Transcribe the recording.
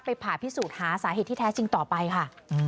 ผ่าพิสูจน์หาสาเหตุที่แท้จริงต่อไปค่ะ